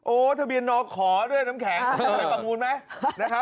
โอ้ทะเบียนนอกขอด้วยน้ำแข็งปรากฏมั้ย